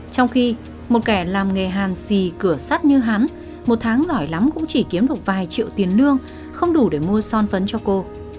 trong khi một kẻ làm nghề hàn xì cửa sắt như hắn một tháng giỏi lắm cũng chỉ kiếm được vài triệu tiền lương không đủ để mua son phấn cho cô